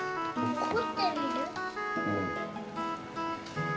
ほってみる。